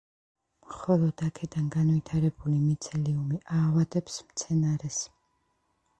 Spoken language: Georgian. მხოლოდ აქედან განვითარებული მიცელიუმი აავადებს მცენარეს.